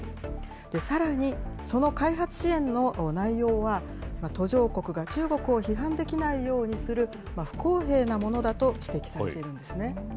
さらに、その開発支援の内容は、途上国が中国を批判できないようにする、不公平なものだと指摘されているんですね。